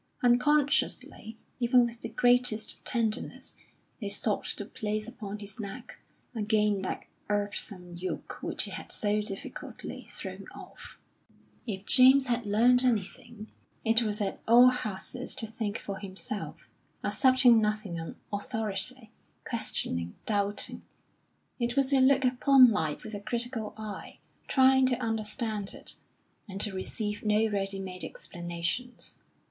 Unconsciously, even with the greatest tenderness, they sought to place upon his neck again that irksome yoke which he had so difficultly thrown off. If James had learnt anything, it was at all hazards to think for himself, accepting nothing on authority, questioning, doubting; it was to look upon life with a critical eye, trying to understand it, and to receive no ready made explanations.